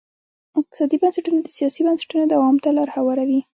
اقتصادي بنسټونه د سیاسي بنسټونو دوام ته لار هواروي.